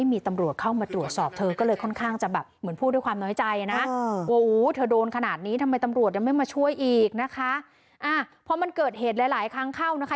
อีกนะคะอ่าพอมันเกิดเหตุหลายหลายครั้งเข้านะคะ